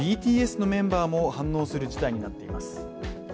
ＢＴＳのメンバーも反応する事態になっています。